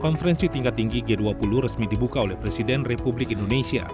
konferensi tingkat tinggi g dua puluh resmi dibuka oleh presiden republik indonesia